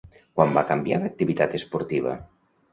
Quan va canviar d'activitat esportiva?